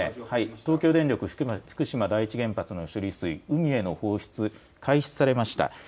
東京電力福島第一原発の処理水海への放出が開始されました。